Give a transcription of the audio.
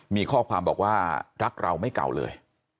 มีข้อความบอกว่ารักเราไม่เก่าเลย